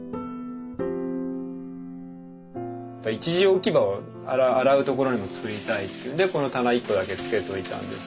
一時置き場を洗う所にも作りたいっていうんでこの棚一個だけ付けといたんですけど。